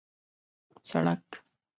سړک